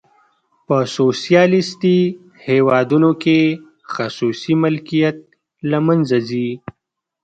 په سوسیالیستي هیوادونو کې خصوصي ملکیت له منځه ځي.